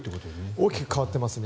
大きく変わってますね。